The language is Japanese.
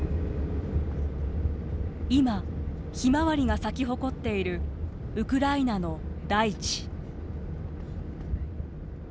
今、ひまわりが咲き誇っているウクライナの大地。